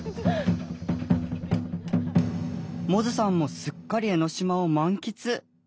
百舌さんもすっかり江の島を満喫！